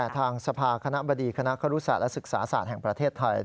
ทางสภาคณะบดีคณะครุศาสตร์และศึกษาศาสตร์แห่งประเทศไทย